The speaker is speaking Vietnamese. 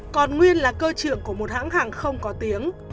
còn nguyên là cơ trưởng của một hãng hàng không có tiếng